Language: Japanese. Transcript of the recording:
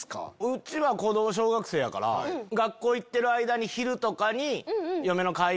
うちは子供小学生やから学校行ってる間に昼とかに。